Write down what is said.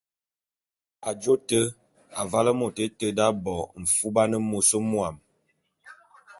Ajô te, avale môt éte d’aye bo mfuban môs mwuam.